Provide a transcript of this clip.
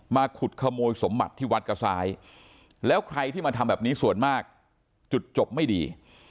ขุดขโมยสมบัติที่วัดกระซ้ายแล้วใครที่มาทำแบบนี้ส่วนมากจุดจบไม่ดี